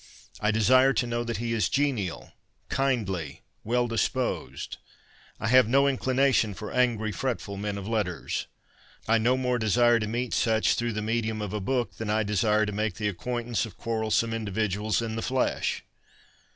I desire to know that he is genial, kindly, well disposed. I have no inclination for angry, fretful men of letters. I no more desire to meet such through the medium of a book, than I desire to make the acquaintance of quarrelsome individuals in the flesh.